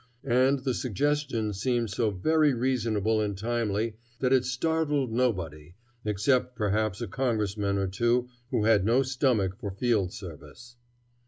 And the suggestion seemed so very reasonable and timely that it startled nobody, except perhaps a congressman or two who had no stomach for field service.